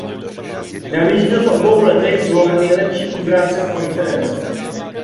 Navíc byl v obou letech zvolen nejlepším obráncem konference.